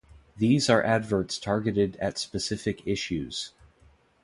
These are adverts targeted at specific issues.